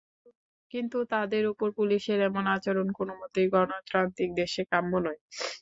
কিন্তু তাদের ওপর পুলিশের এমন আচরণ কোনোমতেই গণতান্ত্রিক দেশে কাম্য নয়।